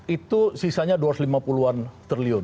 itu sisanya rp dua ratus lima puluh triliun